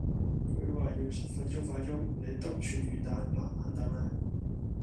佢話要十分鐘化妝，你篤串魚旦慢慢等啦